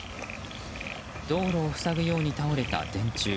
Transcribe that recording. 道路を塞ぐように倒れた電柱。